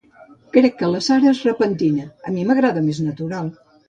Crec que la Sara es repinta: a mi m'agrada més natural.